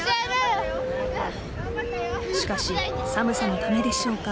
しかし、寒さのためでしょうか。